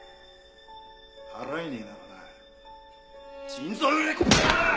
払えねえならな腎臓売れこの野郎！